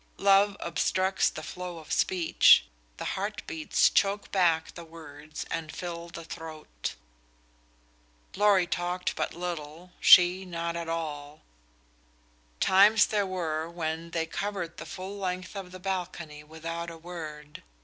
Love obstructs the flow of speech; the heart beats choke back the words and fill the throat. Lorry talked but little, she not at all. Times there were when; they covered the full length of the balcony without a word.